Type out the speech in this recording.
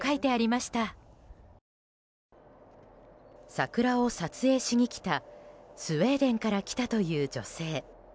桜を撮影しに来たスウェーデンから来たという女性。